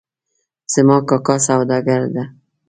زما کاکا سوداګر ده